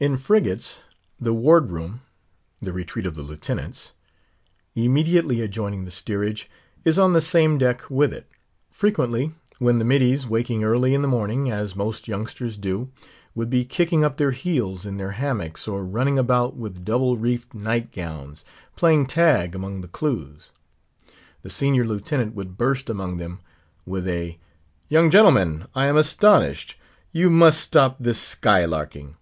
In frigates, the ward room—the retreat of the Lieutenants—immediately adjoining the steerage, is on the same deck with it. Frequently, when the middies, waking early of a morning, as most youngsters do, would be kicking up their heels in their hammocks, or running about with double reefed night gowns, playing tag among the "clews;" the Senior lieutenant would burst among them with a—"Young gentlemen, I am astonished. You must stop this sky larking. Mr.